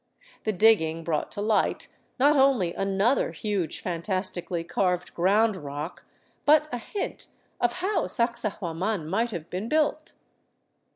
The digging brought to light not only another huge, fantastically carved ground rock, but a hint of how Sacsahuaman might have been built.